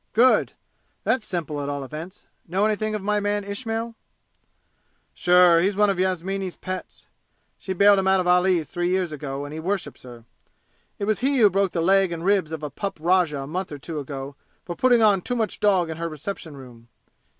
"Good! That's simple at all events! Know anything of my man Ismail?" "Sure! He's one of Yasmini's pets. She bailed him out of Ali's three years ago and he worships her. It was he who broke the leg and ribs of a pup rajah a month or two ago for putting on too much dog in her reception room!